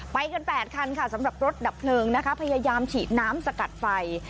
ไปกัน๘คันค่ะสำหรับรถดับเพลิงนะคะพยายามฉีดน้ำสกัดไฟ